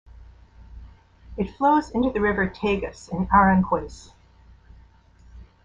It flows into the river Tagus in Aranjuez.